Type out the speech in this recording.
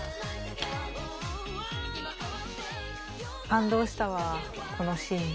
感動したわこのシーン。